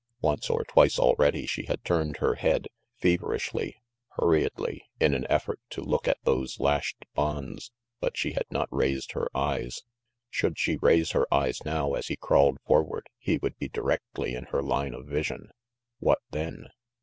Once or twice already she had turned her head, feverishly, hurriedly, in an effort to look at those lashed bonds, but she had not raised her eyes. Should she raise her eyes now as he crawled forward, he would be directly in her line of vision. What then?